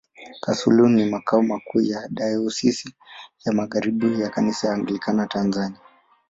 Kasulu ni makao makuu ya Dayosisi ya Magharibi ya Kanisa Anglikana Tanzania.